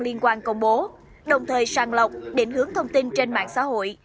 liên quan công bố đồng thời sàng lọc định hướng thông tin trên mạng xã hội